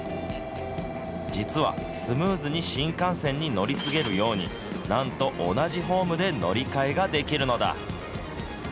実は、スムーズに新幹線に乗り継げるように、なんと同じホームで乗り換えができるのだ。